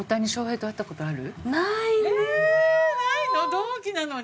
同期なのに？